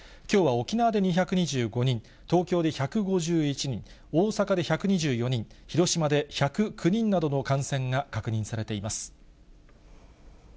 きょうは沖縄で２２５人、東京で１５１人、大阪で１２４人、広島で１０９人などの感染が確認されています。